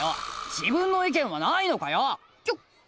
自分の意見はないのかよ！